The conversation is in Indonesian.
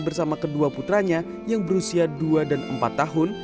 bersama kedua putranya yang berusia dua dan empat tahun